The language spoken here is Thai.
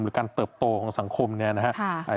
หรือการเติบโตของสังคมเนี่ยนะครับ